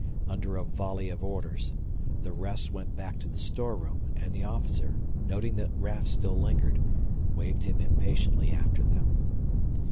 Under a volley of orders the rest went back to the storeroom, and the officer, noting that Raf still lingered, waved him impatiently after them.